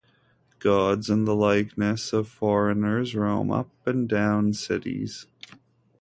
Gods in the likeness of foreigners roam up and down cities.